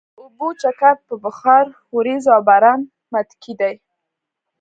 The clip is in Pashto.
د اوبو چکر په بخار، ورېځو او باران متکي دی.